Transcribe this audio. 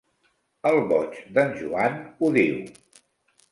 El boig d'en Joan ho diu.